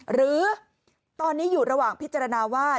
หรือตอนนี้อยู่ระหว่างพิจารณาว่า